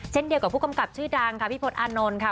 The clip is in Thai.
เช่นเดียวกับผู้กำกับชื่อดังค่ะพี่พศอานนท์ค่ะ